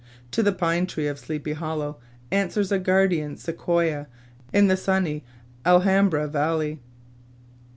To the pine tree of Sleepy Hollow answers a guardian sequoia in the sunny Alhambra Valley.